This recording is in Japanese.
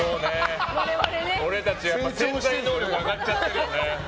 俺たちはやっぱり潜在能力上がっちゃってるよね。